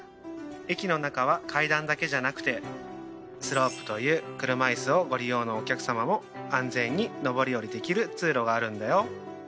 駅の中は階段だけじゃなくてスロープという車いすをご利用のお客様も安全に上り下りできる通路があるんだよ。